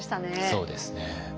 そうですね。